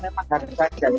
cuman memang dari kajian ini